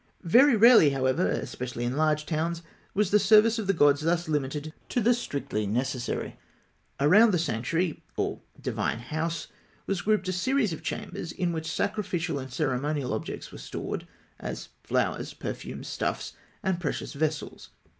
Very rarely, however, especially in large towns, was the service of the gods thus limited to the strictly necessary. Around the sanctuary, or "divine house," was grouped a series of chambers in which sacrificial and ceremonial objects were stored, as flowers, perfumes, stuffs, and precious vessels.